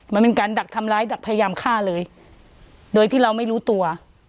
มันเป็นการดักทำร้ายดักพยายามฆ่าเลยโดยที่เราไม่รู้ตัว